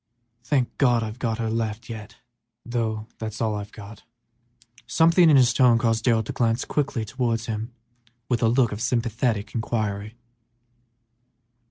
Thank God, I've got her left yet, but she is about all." Something in his tone caused Darrell to glance quickly towards him with a look of sympathetic inquiry.